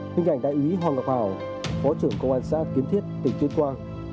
hình ảnh đại úy hoàng ngọc hào phó trưởng công an xã kiến thiết tỉnh tuyết quang